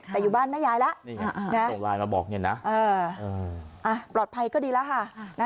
แต่อยู่บ้านแม่ยายแล้วปลอดภัยก็ดีแล้วค่ะ